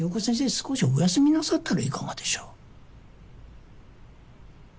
少しお休みなさったらいかがでしょう。